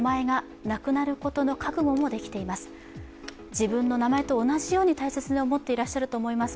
自分の名前と同じように大切と思ってらっしゃると思います